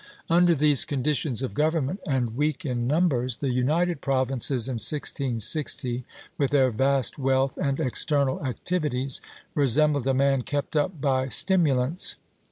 Under these conditions of government, and weak in numbers, the United Provinces in 1660, with their vast wealth and external activities, resembled a man kept up by stimulants.